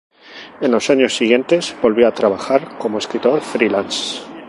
En los años siguientes volvió a trabajar como escritor "free-lance".